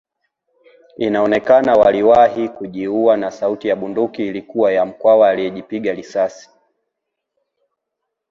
Inaonekana waliwahi kujiua na sauti ya bunduki ilikuwa ya Mkwawa aliyejipiga risasi